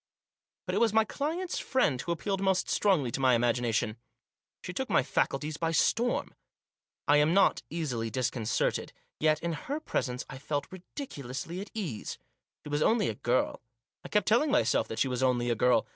But it was my client's friend who appealed most strongly to my imagination. She took my faculties by storm. I am not easily disconcerted. Yet, in her presence, I felt ridiculously ill at ease. She was only a girl. I kept telling myself that she was only a girl.